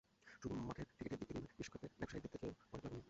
শুধু মাঠের ক্রিকেটের দিক থেকেই নয়, বিশ্বকাপ ব্যবসায়িক দিক থেকেও অনেক লোভনীয়।